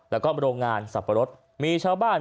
แล้วก็โรงงานสัตว์บริษัทมีชาวบ้าน